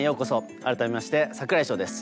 改めまして櫻井翔です。